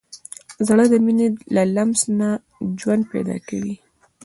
زړه د مینې له لمس نه ژوند پیدا کوي.